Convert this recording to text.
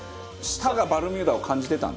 舌がバルミューダを感じてた？